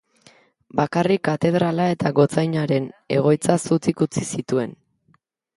Bakarrik katedrala eta gotzainaren egoitza zutik utzi zituen.